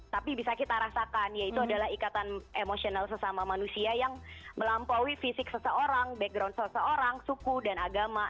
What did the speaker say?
tapi bisa kita rasakan yaitu adalah ikatan emosional sesama manusia yang melampaui fisik seseorang background seseorang suku dan agama